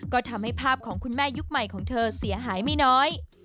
ก็ทำให้ภาพของคุณแม่ยุคใหม่ของเธอเสียหายไม่น้อย